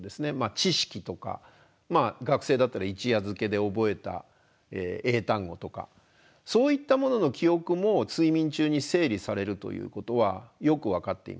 知識とか学生だったら一夜漬けで覚えた英単語とかそういったものの記憶も睡眠中に整理されるということはよく分かっています。